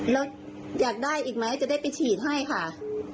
แล้วอยากได้อีกไหมจะได้ไปฉีดให้ค่ะ